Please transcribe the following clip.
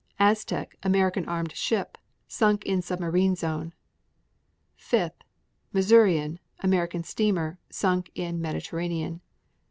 Aztec, American armed ship, sunk in submarine zone. 5. Missourian, American steamer, sunk in Mediterranean.